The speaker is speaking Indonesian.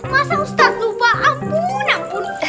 masa ustadz lupa ampun ampun